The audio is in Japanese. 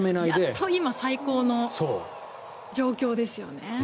やっと今最高の状況ですよね。